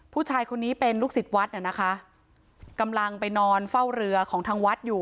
ผู้ชายคนนี้เป็นลูกศิษย์วัดน่ะนะคะกำลังไปนอนเฝ้าเรือของทางวัดอยู่